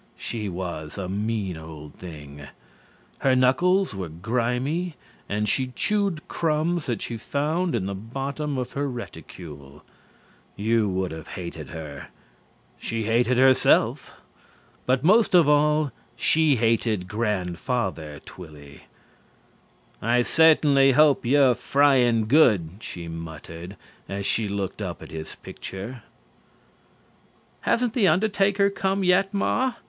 She was a mean old thing. Her knuckles were grimy and she chewed crumbs that she found in the bottom of her reticule. You would have hated her. She hated herself. But most of all she hated Grandfather Twilly. "I certainly hope you're frying good," she muttered as she looked up at his picture. "Hasn't the undertaker come yet, Ma?"